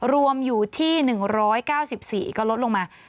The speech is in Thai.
รวมอยู่ที่๑๙๔ก็ลดลงมา